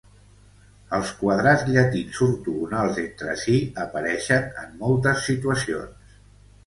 Els quadrats llatins ortogonals entre si apareixen en moltes situacions.